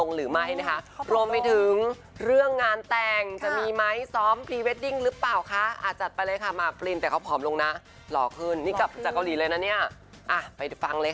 หอมมากสองคนนี้